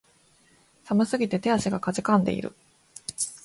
寒すぎて手足が悴んでいる